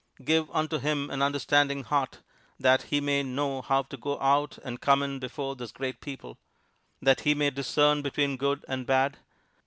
Give unto him an understanding heart, that he may know how to go out and come in before this great people; that he may discern between good and bad.